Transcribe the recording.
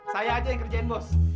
saya aja yang kerjain bos